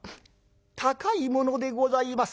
高いものでございます」。